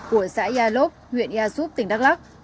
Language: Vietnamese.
của xã yalop huyện yasup tỉnh đắk lắc